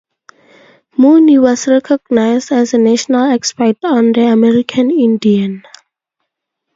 Mooney was recognized as a national expert on the American Indian.